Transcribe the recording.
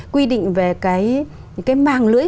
quy định về màng lưỡi